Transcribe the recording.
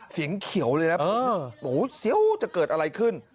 เสียงเขียวเลยนะโอ้โหเสียวจะเกิดอะไรขึ้น